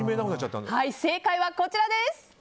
正解はこちらです。